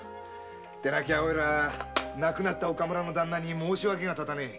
でなきゃ亡くなった岡村のだんなに申し訳が立たねぇ。